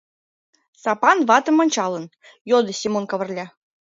— Сапан ватым ончалын, йодо Семон Кавырля.